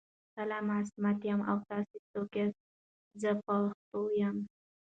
سلام عصمت یم او تاسو څوک ياست ذه پښتون یم